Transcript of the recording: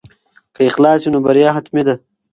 که اخلاص وي نو بریا حتمي ده.